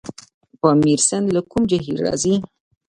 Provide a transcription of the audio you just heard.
پامیر سیند له کوم جهیل راځي؟